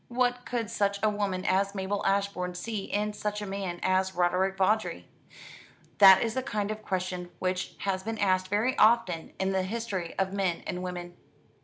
What could such a woman as Mabel Ashbourne see in such a man as Roderick Vawdrey. That is a kind of question which has been asked very often in the history of men and women.